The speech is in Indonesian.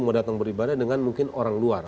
mau datang beribadah dengan mungkin orang luar